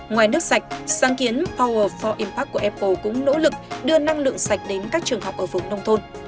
ngoài nước sạch sáng kiến power formpac của apple cũng nỗ lực đưa năng lượng sạch đến các trường học ở vùng nông thôn